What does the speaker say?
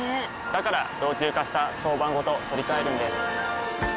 から老朽化した床版ごと取り替えるんです。